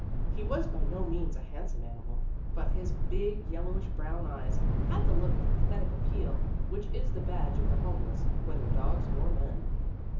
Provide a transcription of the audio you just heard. He was by no means a handsome animal, but his big, yellowish brown eyes had the look of pathetic appeal which is the badge of the homeless, whether dogs or men.